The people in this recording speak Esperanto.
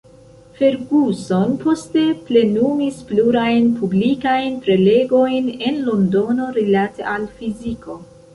Ferguson poste plenumis plurajn publikajn prelegojn en Londono rilate al fiziko.